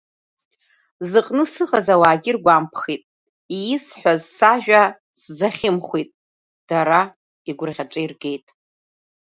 Зыҟны сыҟаз ауаагьы иргәамԥхеит, исҳәаз сажәа сзахьымхәит, дара игәырӷьаҵәа иргеит.